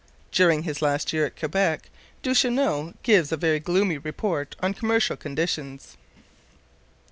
During his last year at Quebec Duchesneau gives a very gloomy report on commercial conditions.